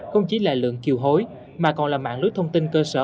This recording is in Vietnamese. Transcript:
không chỉ là lượng kiều hối mà còn là mạng lưới thông tin cơ sở